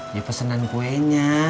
ya pesenan kuenya